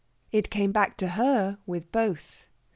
It came back to her with both.